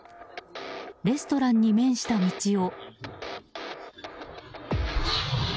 レストランに面した道を。